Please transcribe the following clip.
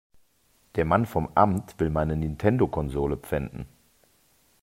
Der Mann vom Amt will meine Nintendo-Konsole pfänden.